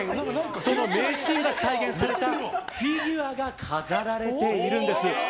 その名シーンが再現されたフィギュアが飾られているんです。